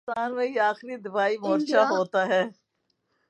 پاکستان میں یہ آخری دفاعی مورچہ ہوتا ہے۔